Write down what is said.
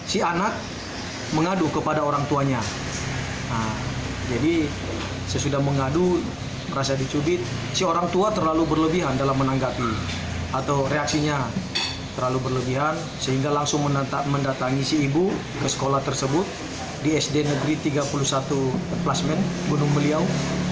sd negeri tiga puluh satu plasmen gunung meliau